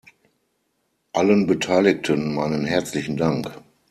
Allen Beteiligten meinen herzlichen Dank!